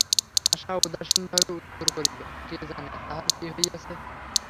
আশা উদাসীন ভাবে উত্তর করিল, কে জানে, তাহার কী হইয়াছে।